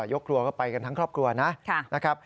ยกครัวก็ไปกันทั้งครอบครัวนะครับ